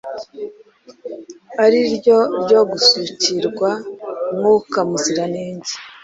ari ryo ryo gusukirwa Mwuka Muziranenge.